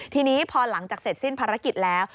ทีนี้พอหลังจากเสร็จสิ้นภารกิจแล้ว